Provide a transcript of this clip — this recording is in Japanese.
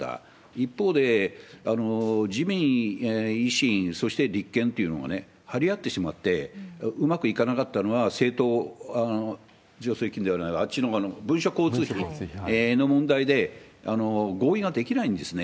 一方で、自民、維新、そして立憲というのは張り合ってしまって、うまくいかなかったのは、政党助成金ではない、あっちの文書交通費の問題で、合意ができないんですね。